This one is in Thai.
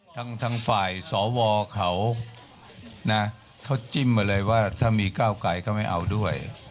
ทั้งฝ่ายสวเขานะเขาจิ้มมาเลยว่าถ้ามีก้าวไกลก็ไม่เอาด้วย